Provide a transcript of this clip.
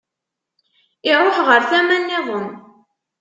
Iruḥ ɣer tama nniḍen.